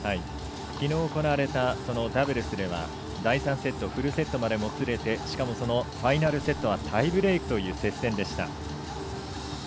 きのう行われたダブルスでは第３セット、フルセットまでもつれて、しかもそのファイナルセットはタイブレークという接戦でした。